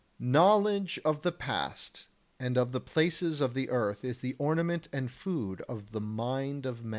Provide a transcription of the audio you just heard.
13. Knowledge of the past and of the places of the earth is the ornament and food of the mind of man.